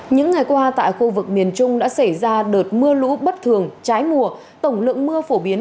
những ngày qua tại khu vực miền trung đã xảy ra đợt mưa lũ bất thường trái mùa tổng lượng mưa phổ biến